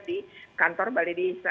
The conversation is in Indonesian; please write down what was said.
di kantor balai desa